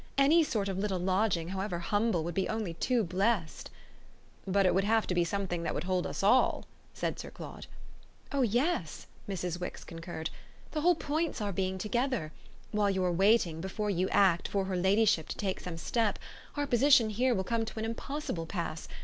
Any sort of little lodging, however humble, would be only too blest." "But it would have to be something that would hold us all," said Sir Claude. "Oh yes," Mrs. Wix concurred; "the whole point's our being together. While you're waiting, before you act, for her ladyship to take some step, our position here will come to an impossible pass.